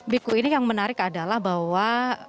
biku ini yang menarik adalah bahwa